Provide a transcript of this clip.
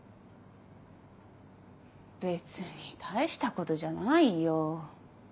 別に大したことじゃないよ。